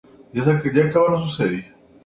Este torneo se realiza anualmente.